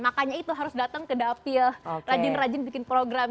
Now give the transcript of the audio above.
makanya itu harus datang ke dapil rajin rajin bikin program